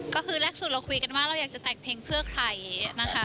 ก็คือแรกสุดเราคุยกันว่าเราอยากจะแต่งเพลงเพื่อใครนะคะ